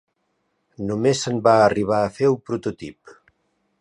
Només se'n va arribar a fer un prototip.